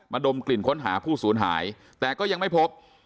ดมกลิ่นค้นหาผู้สูญหายแต่ก็ยังไม่พบ